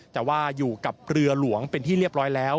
แต่ว่าอยู่กับเรือหลวงเป็นที่เรียบร้อยแล้ว